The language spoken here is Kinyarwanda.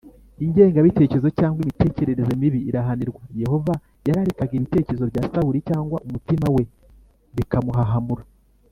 Ingengabitekerezo Cyangwa imitekerereze mibi irahanirwa. Yehova yararekaga ibitekerezo bya Sawuli cyangwa umutima we bikamuhahamura